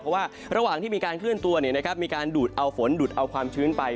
เพราะว่าระหว่างที่มีการเคลื่อนตัวมีการดูดเอาฝนดูดเอาความชื้นไป